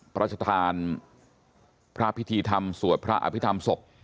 พระราชทานพระพิธีธรรมสวดพระอภิษฐรรมศพ